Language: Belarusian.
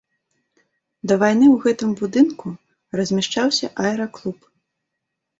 Да вайны ў гэтым будынку размяшчаўся аэраклуб.